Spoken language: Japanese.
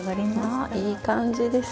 あいい感じです。